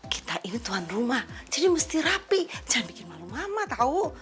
kita ini tuan rumah jadi mesti rapi jangan bikin malu mama tahu